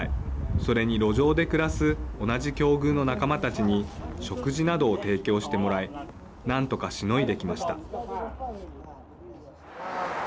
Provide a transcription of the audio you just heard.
それに路上で暮らす同じ境遇の仲間たちに食事などを提供してもらい何とかしのいできました。